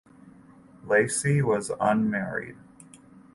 Lacey was unmarried.